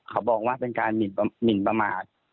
เขาบอกว่าเป็นการหมินประมาท